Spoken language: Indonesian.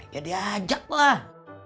ya diajak lah